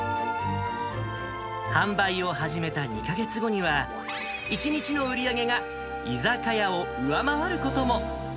販売を始めた２か月後には、１日の売り上げが居酒屋を上回ることも。